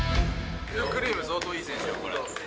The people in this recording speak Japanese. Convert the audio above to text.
シュークリーム、相当いい選手よ、これ。